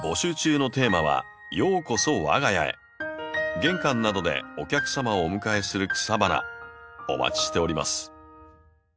玄関などでお客様をお迎えする草花お待ちしております。